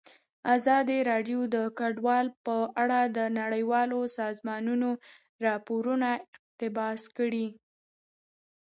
ازادي راډیو د کډوال په اړه د نړیوالو سازمانونو راپورونه اقتباس کړي.